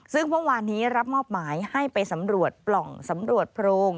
ซึ่งเมื่อวานนี้รับมอบหมายให้ไปสำรวจปล่องสำรวจโพรง